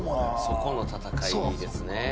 そこの戦いですね